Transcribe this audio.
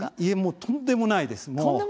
とんでもないです。